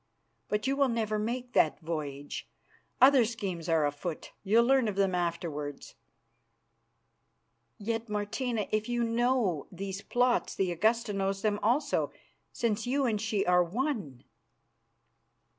But you will never make that voyage. Other schemes are afoot; you'll learn of them afterwards." "Yet, Martina, if you know these plots the Augusta knows them also, since you and she are one."